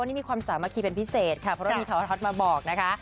วันนี้มีความสามัคคีเป็นพิเศษค่ะเพราะว่ามีข่าวฮอตมาบอกนะคะ